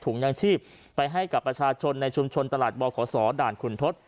ยังชีพไปให้กับประชาชนในชุมชนตลาดบขศด่านขุนทศ